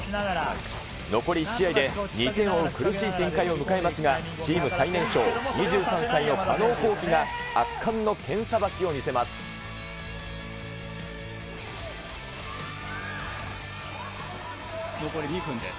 残り１試合で、２点を追う苦しい展開を迎えますが、チーム最年少、２３歳の加納虹輝が圧巻の剣さばきを見せます。